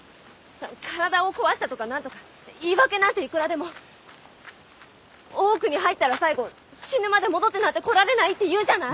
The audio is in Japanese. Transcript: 体を壊したとか何とか言い訳なんていくらでも。大奥に入ったら最後死ぬまで戻ってなんて来られないっていうじゃない！